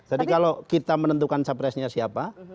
jadi kalau kita menentukan capresnya siapa